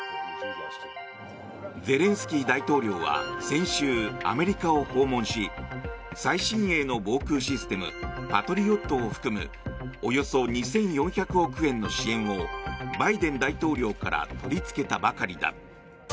ゼレンスキー大統領は先週アメリカを訪問し最新鋭の防空システムパトリオットを含むおよそ２４００億円の支援をバイデン大統領から取り付けたばかりだ。